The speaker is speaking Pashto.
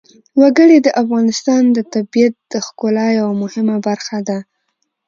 وګړي د افغانستان د طبیعت د ښکلا یوه مهمه برخه ده.